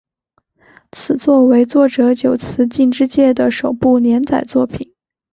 此作为作者久慈进之介的首部连载作品。